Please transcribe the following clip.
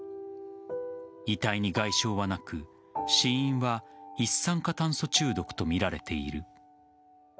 遺体に外傷はなく、死因は一酸化炭素中毒とみられている。